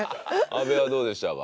安部はどうでしたか？